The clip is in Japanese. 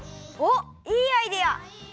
おっいいアイデア！